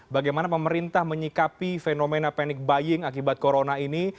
bagaimana pemerintah menyikapi fenomena panik baying akibat corona ini